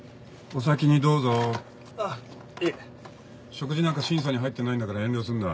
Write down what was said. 食事なんか審査に入ってないんだから遠慮すんな。